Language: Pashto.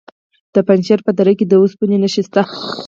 د پنجشیر په دره کې د اوسپنې نښې شته.